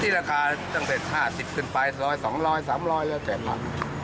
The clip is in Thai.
ที่ราคาตั้งแต่๕๐กึ่งไป๒๐๐๓๐๐บาทแล้วแจกมาก